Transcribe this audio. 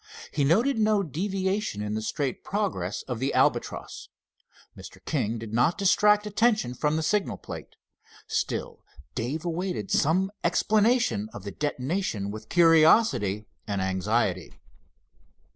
He noted no deviation in the straight progress of the Albatross. Mr. King did not distract attention from the signal plate. Still Dave awaited some explanation of the detonation with curiosity and anxiety.